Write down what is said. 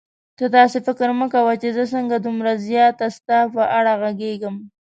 ته داسې فکر مه کوه چې زه څنګه دومره زیاته ستا په اړه غږېږم.